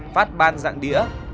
phát ban dạng đĩa